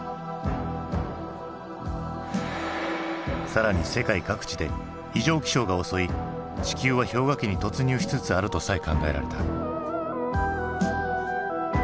更に世界各地で異常気象が襲い地球は氷河期に突入しつつあるとさえ考えられた。